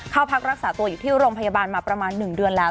เข้าพักรักษาตัวอยู่ที่โรงพยาบาลมาประมาณ๑เดือนแล้ว